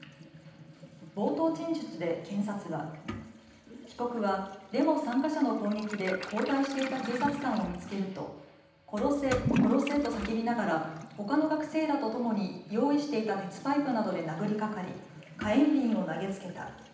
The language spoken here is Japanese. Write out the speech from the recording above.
冒頭陳述で検察は被告はデモ参加者の攻撃で後退していた警察官を見つけると殺せ、殺せと叫びながらほかの学生らとともに用意していた鉄パイプなどで殴りかかり火炎瓶を投げつけた。